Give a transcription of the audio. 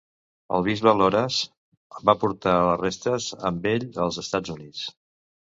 El bisbe Loras va portar les restes amb ell als Estats Units.